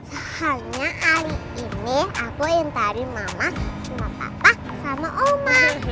ternyata hari ini aku yang tarik mama sama papa sama oma